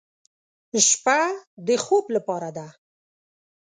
شپه د خوب لپاره ده.